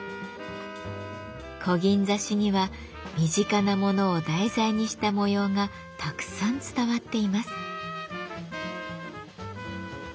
こぎん刺しには身近なものを題材にした模様がたくさん伝わっています。